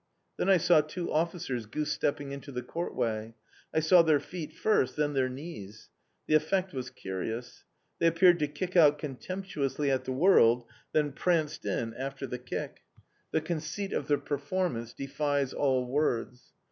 Then I saw two officers goose stepping into the courtway. I saw their feet first! then their knees. The effect was curious. They appeared to kick out contemptuously at the world, then pranced in after the kick. The conceit of the performance defies all words.